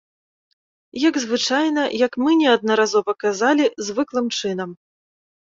Як звычайна, як мы неаднаразова казалі, звыклым чынам.